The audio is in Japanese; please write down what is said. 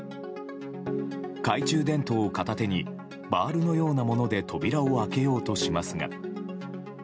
懐中電灯を片手にバールのようなもので扉を開けようとしますが。